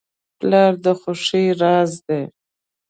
پلار د خوښۍ راز دی.